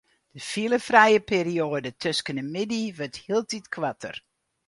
De filefrije perioade tusken de middei wurdt hieltyd koarter.